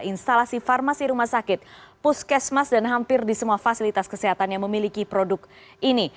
instalasi farmasi rumah sakit puskesmas dan hampir di semua fasilitas kesehatan yang memiliki produk ini